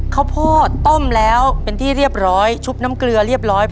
ข้าวโพดต้มแล้วเป็นที่เรียบร้อยชุบน้ำเกลือเรียบร้อย